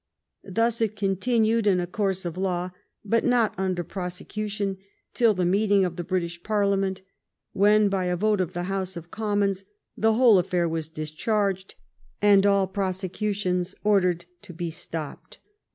Thus it continued in a course of law, but not under prosecution, till the meeting of the British Parliament, when, by a vote of the House of Commons, the whole affair was discharged, and all prosecutions ordered to be stopped."